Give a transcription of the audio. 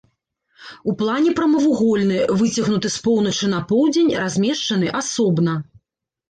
У плане прамавугольны, выцягнуты з поўначы на поўдзень, размешчаны асобна.